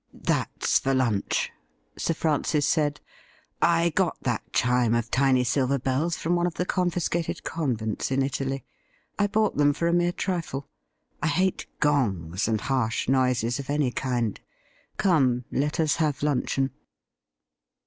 ' That's for lunch,' Sir Francis said. ' I got that chime of tiny silver bells from one of the confiscated convents in Italy. I bought them for a mere trifle. I hate gongs and harsh noises of any kind. Come, let us have luncheon.'